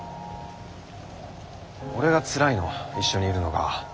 俺がつらいの一緒にいるのが。